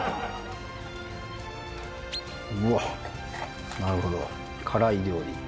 うわなるほど辛い料理。